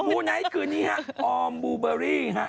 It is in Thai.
ูไนท์คืนนี้ฮะออมบูเบอรี่ฮะ